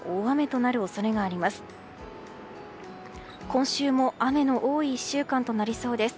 今週も雨の多い１週間となりそうです。